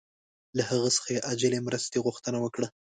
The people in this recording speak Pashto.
له هغه څخه یې عاجلې مرستې غوښتنه وکړه.